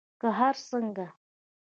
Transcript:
که هر څنګه